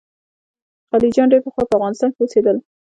خلجیان ډېر پخوا په افغانستان کې اوسېدل.